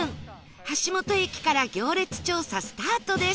橋本駅から行列調査スタートです